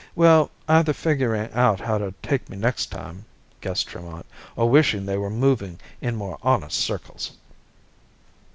"Well, either figuring out how to take me next time," guessed Tremont, "or wishing they were moving in more honest circles!"